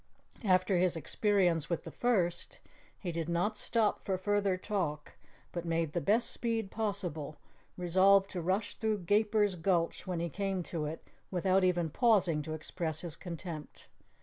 After his experience with the first, he did not stop for further talk, but made the best speed possible, resolved to rush through Gaper's Gulch when he came to it without even pausing to express his contempt.